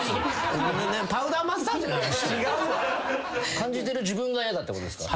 感じてる自分がやだってことですか？